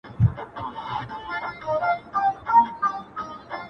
وربشې د اسونو خواړه دي.